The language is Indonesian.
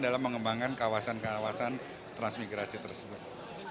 dalam mengembangkan kawasan kawasan transmigrasi tersebut